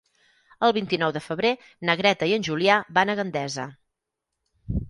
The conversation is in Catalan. El vint-i-nou de febrer na Greta i en Julià van a Gandesa.